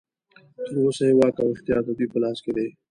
تر اوسه یې واک او اختیار ددوی په لاس کې دی.